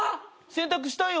洗濯したよ。